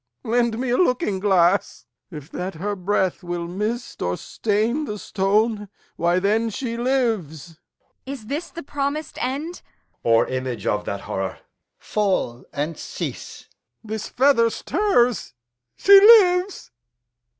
Lend me a looking glass. If that her breath will mist or stain the stone, Why, then she lives. Kent. Is this the promis'd end? Edg. Or image of that horror? Alb. Fall and cease! Lear. This feather stirs; she lives!